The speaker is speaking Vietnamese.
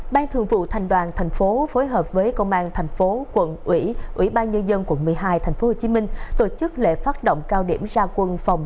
ban thường vụ thành đoàn tp hcm phối hợp với công an tp hcm ủy ban nhân dân tp hcm tổ chức lễ phát động cao điểm ra quân phòng